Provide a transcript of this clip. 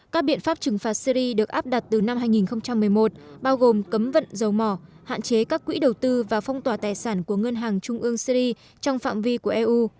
các biện pháp trừng phạt syri được áp đặt từ năm hai nghìn một mươi một bao gồm cấm vận dầu mỏ hạn chế các quỹ đầu tư và phong tỏa tài sản của ngân hàng trung ương syri trong phạm vi của eu